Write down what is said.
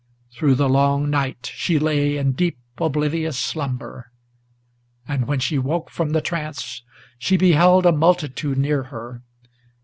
Through the long night she lay in deep, oblivious slumber; And when she woke from the trance, she beheld a multitude near her.